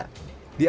di antara mereka